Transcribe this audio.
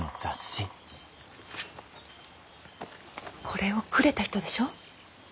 これをくれた人でしょ？